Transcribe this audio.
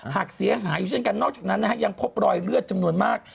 หากเสียหายอยู่เช่นกันนอกจากนั้นนะฮะยังพบรอยเลือดจำนวนมาก